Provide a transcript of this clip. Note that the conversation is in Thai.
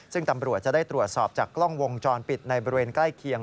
ซึ่งตำรวจจะได้ตรวจสอบจากกล้องวงจรปิดในบริเวณใกล้เคียง